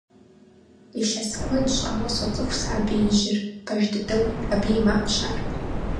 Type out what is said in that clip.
Илъэс куэд щӀауэ соцӀыху сэ а беижьыр, пэж дыдэуи абы и макъщ ар.